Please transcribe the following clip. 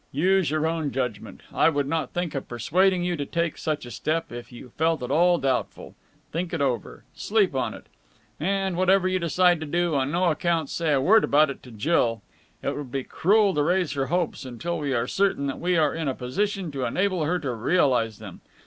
Use your own judgment. I would not think of persuading you to take such a step, if you felt at all doubtful. Think it over. Sleep on it. And, whatever you decide to do, on no account say a word about it to Jill. It would be cruel to raise her hopes until we are certain that we are in a position to enable her to realize them.